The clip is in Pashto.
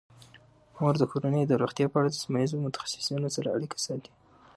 مور د کورنۍ د روغتیا په اړه د سیمه ایزو متخصصینو سره اړیکه ساتي.